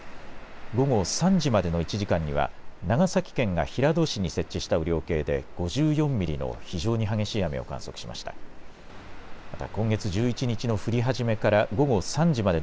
午後３時までの１時間には長崎県が平戸市に設置した雨量計で５４ミリの非常に激しい雨を観測しました。